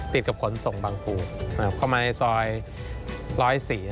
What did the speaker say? ติดกับคนส่งบางภูครับเข้ามาในซอย๑๐๔นะครับ